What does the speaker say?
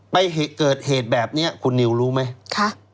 ไปเกิดเหตุแบบนี้คุณนิวรู้ไหม